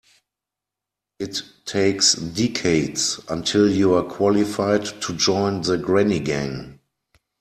It takes decades until you're qualified to join the granny gang.